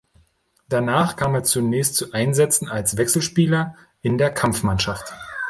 Danach kam er zunächst zu Einsätzen als Wechselspieler in der Kampfmannschaft.